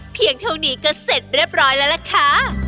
เพียงเท่านี้ก็เสร็จเรียบร้อยแล้วล่ะค่ะ